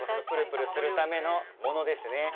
プルプルするためのものですね。